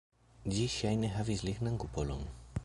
Ĝi ŝajne havis lignan kupolon.